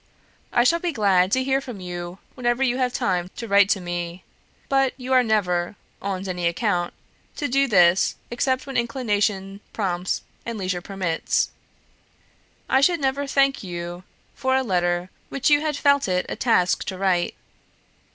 I shall be glad to hear from you whenever you have time to write to me, but you are never, on any account, to do this except when inclination prompts and leisure permits. I should never thank you for a letter which you had felt it a task to write."